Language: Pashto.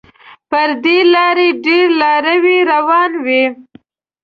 پر دې لاره ډېر لاروي روان وي.